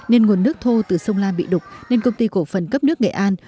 nên nguồn nước thô từ sông la bị đục nên công ty cổ phần cấp nước nghệ an